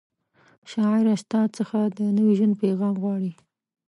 شاعره ستا څخه د نوي ژوند پیغام غواړي